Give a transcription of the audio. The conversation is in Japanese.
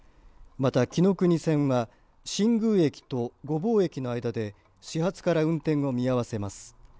また、きのくに線は新宮駅と御坊駅の間で始発から運転を見合わせます。